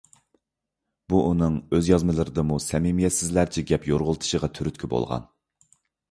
بۇ ئۇنىڭ ئۆز يازمىلىرىدىمۇ سەمىمىيەتسىزلەرچە گەپ يورغىلىتىشىغا تۈرتكە بولغان.